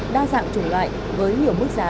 đa dạng chủng loại với nhiều mức giá